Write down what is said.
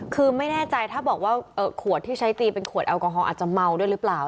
คือไม่แน่ใจถ้าบอกว่าขวดที่ใช้ตีเป็นขวดแอลกอฮอลอาจจะเมาด้วยหรือเปล่า